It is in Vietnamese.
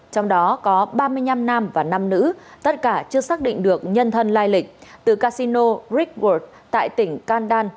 trong đó có ba mươi năm nam và năm nữ tất cả chưa xác định được nhân thân lai lịch từ casino rickworth tại tỉnh can đan